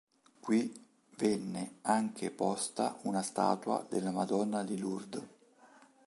Qui venne anche posta una statua della Madonna di Lourdes.